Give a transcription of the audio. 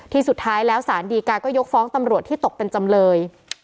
สุดท้ายแล้วสารดีกาก็ยกฟ้องตำรวจที่ตกเป็นจำเลย